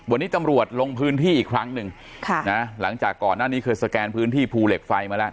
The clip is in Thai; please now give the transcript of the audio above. วันนี้ตำรวจลงพื้นที่อีกครั้งหนึ่งค่ะนะหลังจากก่อนหน้านี้เคยสแกนพื้นที่ภูเหล็กไฟมาแล้ว